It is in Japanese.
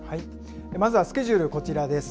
まずはスケジュールこちらです。